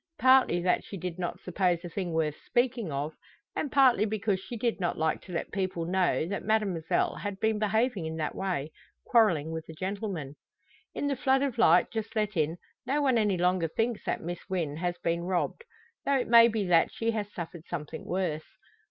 Partly that she did not suppose the thing worth speaking of, and partly because she did not like to let people know that Mademoiselle had been behaving in that way quarrelling with a gentleman. In the flood of light just let in, no one any longer thinks that Miss Wynn has been robbed; though it may be that she has suffered something worse.